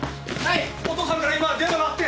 お父さんから今電話があって。